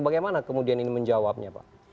bagaimana kemudian ini menjawabnya pak